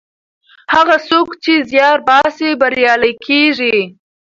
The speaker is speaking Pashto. هغه څوک چې زیار باسي بریالی کیږي.